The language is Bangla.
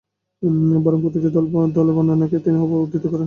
বরং প্রতিটি দলীল ও বর্ণনাকে তিনি হুবহু উদ্ধৃত করতেন।